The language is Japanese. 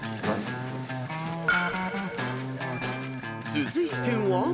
［続いては］